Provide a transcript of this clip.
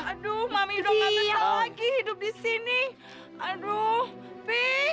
aduh mami udah gak bisa lagi hidup di sini aduh pi